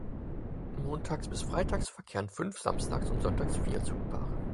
Montags bis freitags verkehrten fünf, samstags und sonntags vier Zugpaare.